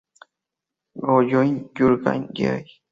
Go Join Your Gang Yeah!